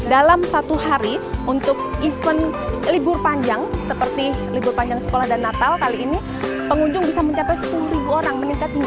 dalam satu hari untuk event libur panjang seperti libur panjang sekolah dan natal kali ini pengunjung bisa mencapai sepuluh orang